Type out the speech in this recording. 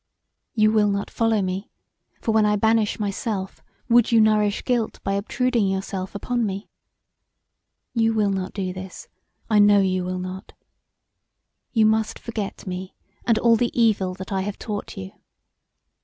You will not follow me, for when I bannish myself would you nourish guilt by obtruding yourself upon me? You will not do this, I know you will not. You must forget me and all the evil that I have taught you.